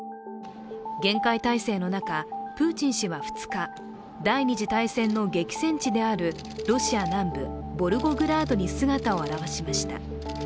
厳戒態勢の中、プーチン氏は２日、第二次大戦の激戦地であるロシア南部ボルゴグラードに姿を現しました。